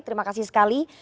terima kasih sekali